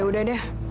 ya udah deh